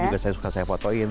juga suka saya fotoin